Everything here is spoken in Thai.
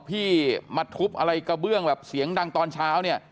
พี่มาทุบอะไรกระเบื้องแบบเสียงดังตอนเช้าเนี่ย